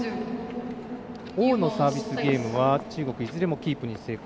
王のサービスゲームは中国、いずれもキープに成功。